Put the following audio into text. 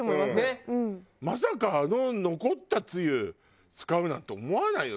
まさかあの残ったつゆ使うなんて思わないよ